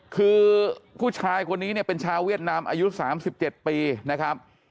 คือผู้ชายคนนี้เนี่ยเป็นชาวเวียดนามอายุ๓๗ปีนะครับ